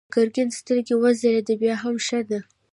د ګرګين سترګې وځلېدې: بيا هم ښه ده.